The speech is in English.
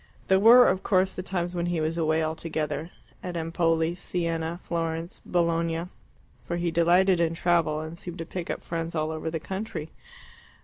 There were, of course, the times when he was away altogether at Empoli, Siena, Florence, Bologna for he delighted in travel, and seemed to pick up friends all over the country.